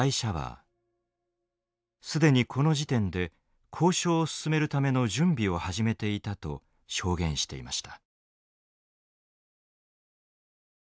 既にこの時点で交渉を進めるための準備を始めていたと証言していました。